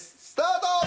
スタート！